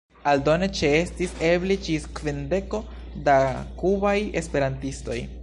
Aldone ĉeestis eble ĝis kvindeko da kubaj esperantistoj.